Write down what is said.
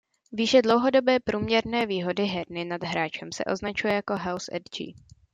Výše dlouhodobé průměrné výhody herny nad hráčem se označuje jako "house edge".